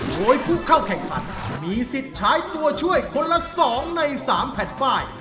โดยผู้เข้าแข่งขันมีสิทธิ์ใช้ตัวช่วยคนละ๒ใน๓แผ่นป้าย